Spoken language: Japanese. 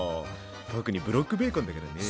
特にブロックベーコンだからね。